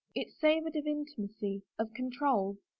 It savored of inti macy, of control.